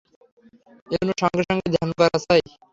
এইজন্য সঙ্গে সঙ্গে ধ্যান করা চাই।